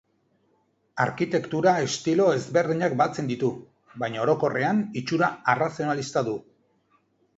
Arkitektura estilo ezberdinak batzen ditu, baina orokorrean itxura arrazionalista du.